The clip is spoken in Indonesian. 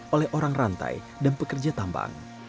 oleh orang rantai dan pekerja tambang